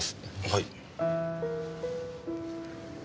はい。